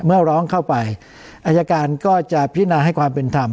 เมื่อร้องเข้าไปอายการก็จะพินาให้ความเป็นธรรม